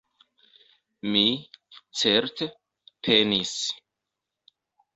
Mi, certe, penis.